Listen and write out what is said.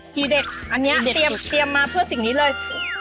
ทีเด็ดอันนี้เตรียมมาเพื่อสิ่งนี้เลย